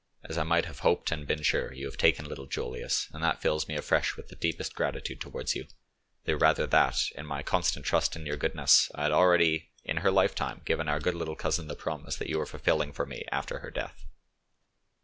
As I might have hoped and been sure, you have taken little Julius, and that fills me afresh with the deepest gratitude towards you, the rather that, in my constant trust in your goodness, I had already in her lifetime given our good little cousin the promise that you are fulfilling for me after her death."